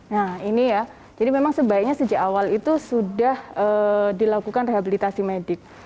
nah ini ya jadi memang sebaiknya sejak awal itu sudah dilakukan rehabilitasi medik